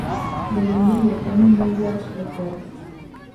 De Dumbría teño moi bos recordos.